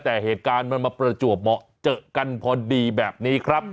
แต่เหตุการณ์มันมาประจวบเหมาะเจอกันพอดีแบบนี้ครับ